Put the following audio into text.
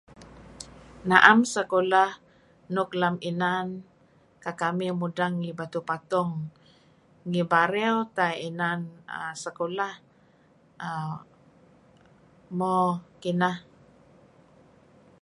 Na'em sekulah nuk lem inan kekamih mudeng ngi Batuh Patung , Ngi Bario teh inan sekulah.{er] mo, kineh.